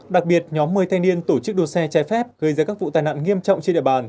đặc biệt nhóm một mươi thanh niên tổ chức đua xe trái phép gây ra các vụ tai nạn nghiêm trọng trên địa bàn